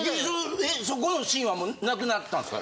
そこのシーンはもうなくなったんですか？